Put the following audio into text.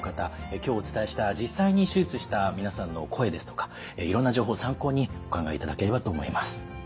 今日お伝えした実際に手術した皆さんの声ですとかいろんな情報参考にお考えいただければと思います。